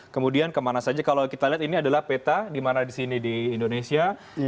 kemudian kemana saja kalau kita lihat ini adalah peta di mana di sini di indonesia